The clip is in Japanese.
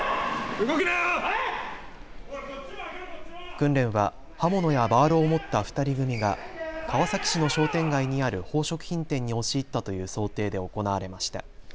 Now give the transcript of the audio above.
訓練は刃物やバールを持った２人組が川崎市の商店街にある宝飾品店に押し入ったという想定で行われました。